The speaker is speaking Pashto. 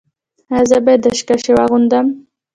ایا زه باید دستکشې واغوندم؟